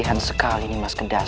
sanggup mengingatkan engkau